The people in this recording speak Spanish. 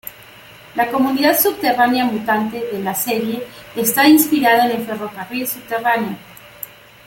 La comunidad subterránea mutante de la serie está inspirada en el ferrocarril subterráneo.